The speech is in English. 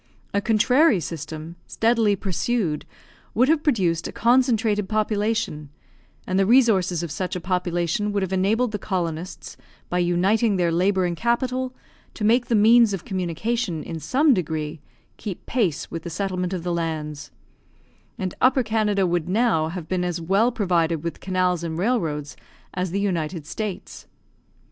A contrary system, steadily pursued, would have produced a concentrated population; and the resources of such a population would have enabled the colonists, by uniting their labour and capital, to make the means of communication, in some degree, keep pace with the settlement of the lands; and Upper Canada would now have been as well provided with canals and railroads as the United States.